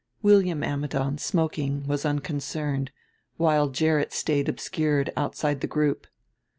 William Ammidon, smoking, was unconcerned; while Gerrit stayed obscured outside the group.